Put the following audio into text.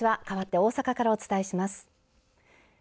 かわって大阪からお伝えします。